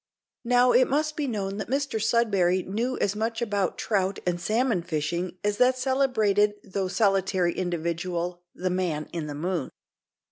Now, it must be known that Mr Sudberry knew as much about trout and salmon fishing as that celebrated though solitary individual, "the man in the moon."